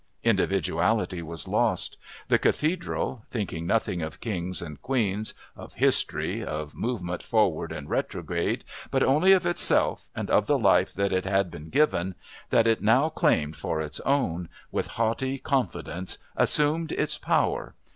Individuality was lost. The Cathedral, thinking nothing of Kings and Queens, of history, of movement forward and retrograde, but only of itself and of the life that it had been given, that it now claimed for its own, with haughty confidence assumed its Power...